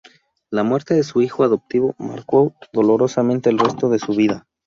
La muerte de su hijo adoptivo marcó dolorosamente el resto de su vida.